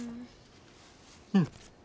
うん。